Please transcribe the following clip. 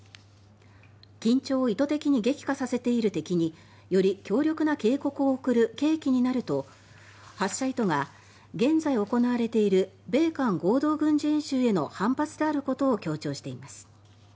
緊張を意図的に激化させている敵により強力な警告を送る契機になると発射意図が現在、行われている米韓合同軍事演習への反発であることを強調しています。